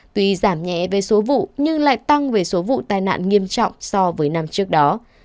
tuy giảm nhẹ về số vụ nhưng lại tăng về số vụ tai nạn nghiêm trọng so với năm trước đó